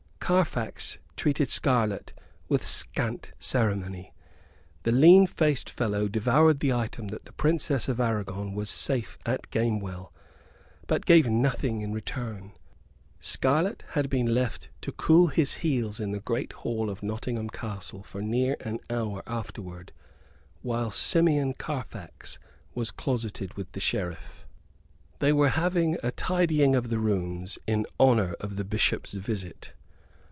Carfax treated Scarlett with scant ceremony. The lean faced fellow devoured the item that the Princess of Aragon was safe at Gamewell, but gave nothing in return. Scarlett had been left to cool his heels in the great hall of Nottingham Castle for near an hour afterward, whilst Simeon Carfax was closeted with the Sheriff. They were having a tidying of the rooms in honor of the Bishop's visit.